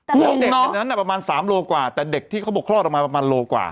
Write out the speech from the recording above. พวกเด็กคนนั้นประมาณ๓โลกว่าแต่เด็กที่เขาบอกคลอดออกมาประมาณโลกว่า